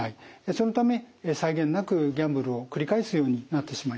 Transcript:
そのため際限なくギャンブルを繰り返すようになってしまいます。